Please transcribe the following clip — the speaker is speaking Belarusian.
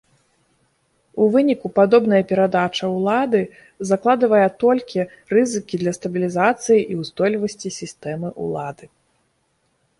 У выніку, падобная перадачы ўлады закладывае толькі рызыкі для стабілізацыі і ўстойлівасці сістэмы ўлады.